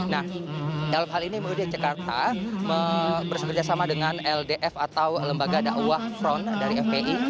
nah hal ini muv dki jakarta bersekerja sama dengan ldf atau lembaga da'wah front dari fpi